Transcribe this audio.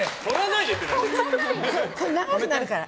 長くなるから。